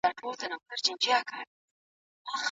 موږ بايد د يوې ممتازې ټولني لپاره هڅه وکړو.